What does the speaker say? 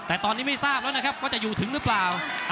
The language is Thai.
แต่ตอนนี้ไม่ทราบแล้วนะครับว่าจะอยู่ถึงหรือเปล่า